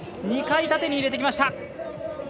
２回、縦に入れてきました。